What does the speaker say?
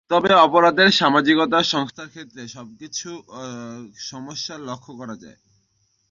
তবে অপরাধের সামাজিক সংজ্ঞার ক্ষেত্রে কিছু সমস্যা লক্ষ্য করা যায়।